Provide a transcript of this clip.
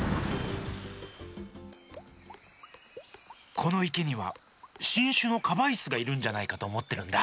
このいけにはしんしゅのカバイスがいるんじゃないかとおもってるんだ。